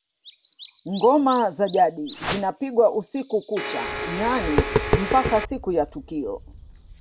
Ngoma za jadi zinapigwa usiku kucha yaani mpaka siku ya tukio